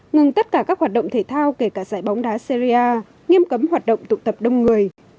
ngừng tất cả các hoạt động thể thao kể cả giải bóng đá seria nghiêm cấm hoạt động tụ tập đông người